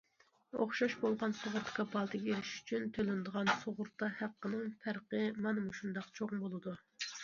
ئوخشاش بولغان سۇغۇرتا كاپالىتىگە ئېرىشىش ئۈچۈن تۆلىنىدىغان سۇغۇرتا ھەققىنىڭ پەرقى مانا مۇشۇنداق چوڭ بولىدۇ.